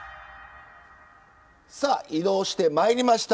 さあ移動してまいりました。